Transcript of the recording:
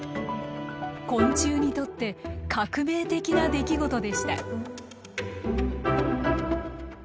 昆虫にとって革命的な出来事でした。